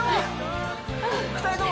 ２人とも！